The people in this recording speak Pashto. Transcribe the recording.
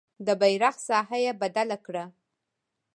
د بیرغ ساحه یې بدله کړه.